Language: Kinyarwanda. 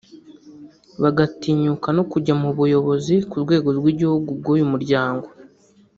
bagatinyuka no kujya mu buyobozi ku rwego rw’igihugu bw’uyu muryango